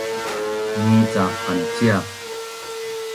Ni cak qanciap